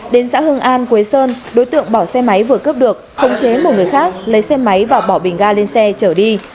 đến xã hưng an quế sơn đối tượng bỏ xe máy vừa cướp được khống chế một người khác lấy xe máy và bỏ bình ga lên xe chở đi